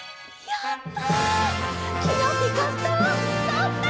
やった！